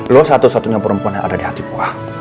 lo satu satunya perempuan yang ada di hatikuah